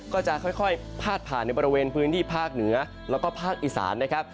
ก็จะค่อยพาดผ่านในบริเวณพื้นที่ภาคเหนือแล้วก็ภาคอีสานนะครับ